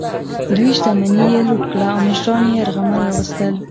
دوی شتمني یې لوټ کړه او مشران یې یرغمل راوستل.